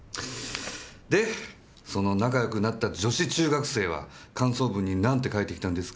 でその仲良くなった女子中学生は感想文になんて書いてきたんですか？